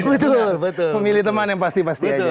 betul memilih teman yang pasti pasti aja